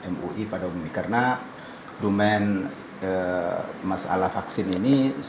mui pada umumnya karena domen masalah vaksin ini